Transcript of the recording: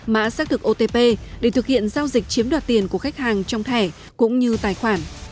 mã xác thực otp để thực hiện giao dịch chiếm đoạt tiền của khách hàng trong thẻ cũng như tài khoản